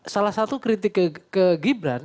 salah satu kritik ke gibran